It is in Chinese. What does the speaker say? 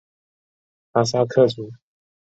哈萨克族。